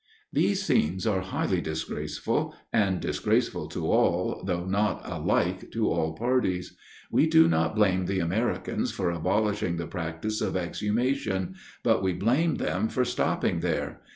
_" These scenes are highly disgraceful, and disgraceful to all, though not alike to all parties. We do not blame the Americans for abolishing the practice of exhumation; but we blame them for stopping there.